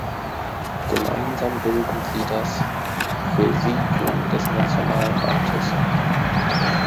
Gemeinsam bilden sie das "Präsidium des Nationalrates.